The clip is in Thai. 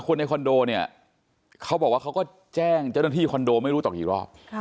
ในคอนโดเนี่ยเขาบอกว่าเขาก็แจ้งเจ้าหน้าที่คอนโดไม่รู้ต่อกี่รอบ